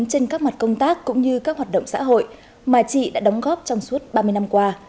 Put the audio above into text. trên các mặt công tác cũng như các hoạt động xã hội mà chị đã đóng góp trong suốt ba mươi năm qua